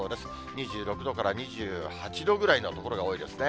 ２６度から２８度ぐらいの所が多いですね。